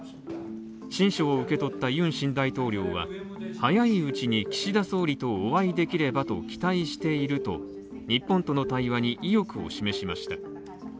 親書を受け取ったユン新大統領は早いうちに岸田総理とお会いできればと期待していると日本との対話に、意欲を示しました。